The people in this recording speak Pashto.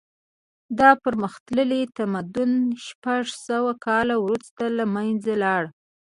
دا پرمختللی تمدن شپږ سوه کاله وروسته له منځه لاړ.